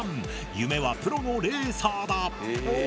夢はプロのレーサーだ！